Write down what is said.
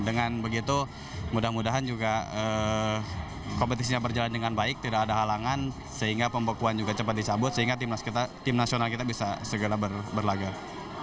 dengan begitu mudah mudahan juga kompetisinya berjalan dengan baik tidak ada halangan sehingga pembekuan juga cepat dicabut sehingga tim nasional kita bisa segera berlagak